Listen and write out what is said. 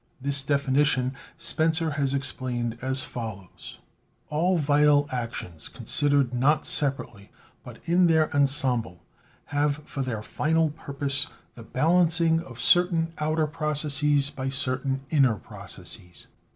This definition Spencer has explained as follows: "All vital actions, considered not separately but in their ensemble, have for their final purpose the balancing of cer tain outer processes by certain inner processes.